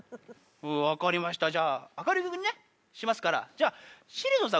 分かりましたじゃあ明るい曲にねしますからじゃあしりぞんさん